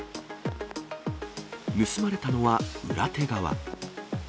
盗まれたのは裏手側。